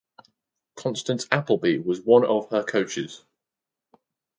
Constance Applebee was one of her coaches.